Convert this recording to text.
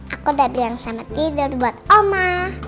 aku udah bilang selamat tidur buat oma